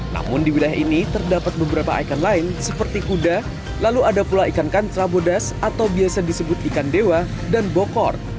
namun di wilayah ini terdapat beberapa ikon lain seperti kuda lalu ada pula ikan kantra bodas atau biasa disebut ikan dewa dan bokor